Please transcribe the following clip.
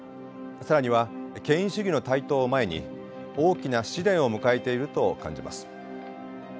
更には権威主義の台頭を前に大きな試練を迎えていると感じます。